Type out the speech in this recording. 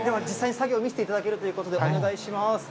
実際に作業を見せていただけるということで、お願いします。